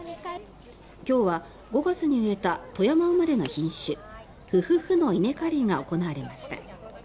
今日は５月に植えた富山生まれの品種、富富富の稲刈りが行われました。